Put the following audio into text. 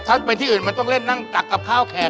ถ้าเป็นที่อื่นมันต้องเล่นนั่งตักกับข้าวแขก